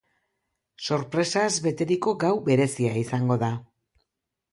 Sorpresaz beteriko gau berezia izango da.